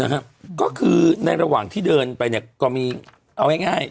นะฮะก็คือในระหว่างที่เดินไปเนี่ยก็มีเอาง่าย